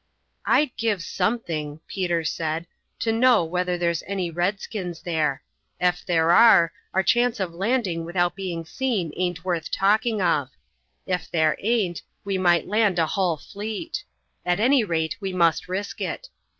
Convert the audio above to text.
"I'd give something," Peter said, "to know whether there's any redskins there. Ef there are, our chance of landing without being seen aint worth talking of; ef there aint we might land a hull fleet; at any rate we must risk it.